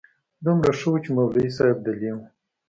دومره ښه و چې مولوي صاحب دلې و.